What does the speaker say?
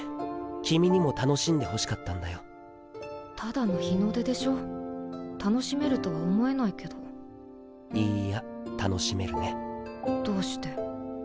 君にも楽しんでほしかったただの日の出でしょ楽しめるとは思えないいいや楽しめるねどうして？